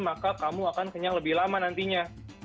maka kamu akan kenyang lebih lama nantinya